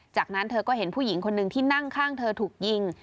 จากนั้นเธอก็เห็นผู้หญิงคนหนึ่งที่นั่งข้างเธอถูกยิง